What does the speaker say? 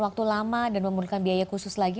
waktu lama dan membutuhkan biaya khusus lagi